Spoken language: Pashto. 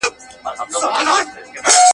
د ژوندون به نوی رنگ وي نوی خوند وي !.